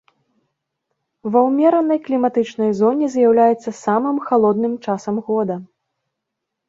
Ва ўмеранай кліматычнай зоне з'яўляецца самым халодным часам года.